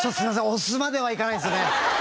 押すまではいかないですね。